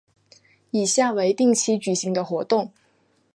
以下为定期举行的活动